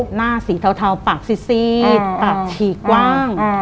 หน้าสีเทาปากซีดปากฉีกกว้าง